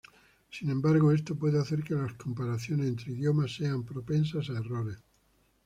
Sin embargo, esto puede hacer que las comparaciones entre idiomas sean propensas a errores.